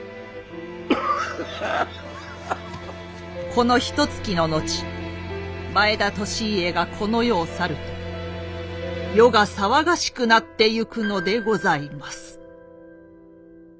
このひとつきの後前田利家がこの世を去ると世が騒がしくなってゆくのでございます。